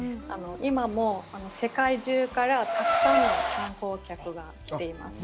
今もう世界中からたくさんの観光客が来ています。